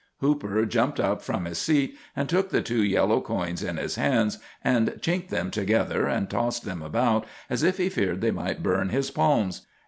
Hooper jumped up from his seat and took the two yellow coins in his hands, and chinked them together, and tossed them about as if he feared they might burn his palms.